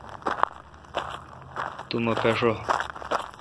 تو مہ پاݭہ۔